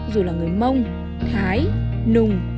dù là người mông thái nùng